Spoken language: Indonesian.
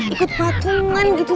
ikut patungan gitu